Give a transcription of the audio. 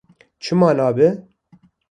Çima nebe?